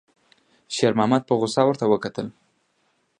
شېرمحمد په غوسه ورته وکتل.